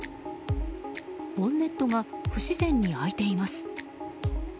ボンネットが不自然に開いています。